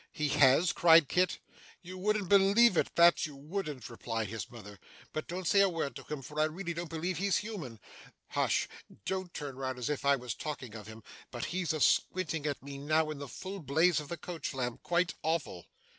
'He has?' cried Kit. 'You wouldn't believe it, that you wouldn't,' replied his mother, 'but don't say a word to him, for I really don't believe he's human. Hush! Don't turn round as if I was talking of him, but he's a squinting at me now in the full blaze of the coach lamp, quite awful!